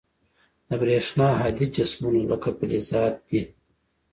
د برېښنا هادي جسمونه لکه فلزات دي.